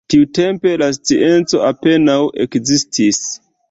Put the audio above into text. Tiutempe la scienco apenaŭ ekzistis.